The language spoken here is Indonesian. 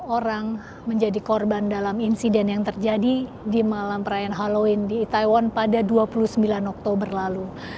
satu ratus lima puluh enam orang menjadi korban dalam insiden yang terjadi di malam perayaan halloween di taiwan pada dua puluh sembilan oktober lalu